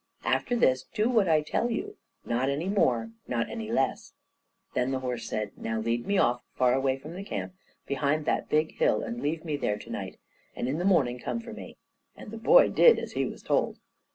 After this, do what I tell you; not any more, not any less." Then the horse said: "Now lead me off, far away from the camp, behind that big hill, and leave me there to night, and in the morning come for me;" and the boy did as he was told.